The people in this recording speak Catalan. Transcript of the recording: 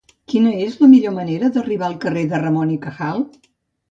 Quina és la millor manera d'arribar al carrer de Ramón y Cajal?